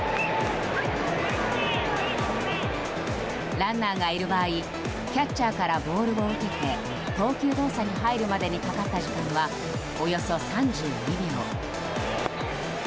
ランナーがいる場合キャッチャーからボールを受けて投球動作に入るまでにかかった時間は、およそ３２秒。